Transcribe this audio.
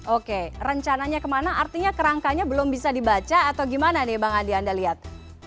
oke rencananya kemana artinya kerangkanya belum bisa dibaca atau gimana nih bang andi anda lihat